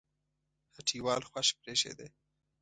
هټۍوال خوښ برېښېده